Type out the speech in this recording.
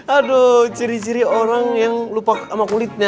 aduh ciri ciri orang yang lupa sama kulitnya